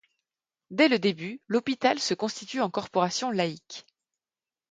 Dès le début, l’hôpital se constitue en corporation laïque.